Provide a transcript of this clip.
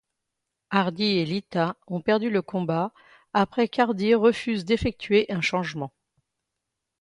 Hardy et Lita ont perdu le combat après qu'Hardy refuse d'effectuer un changement.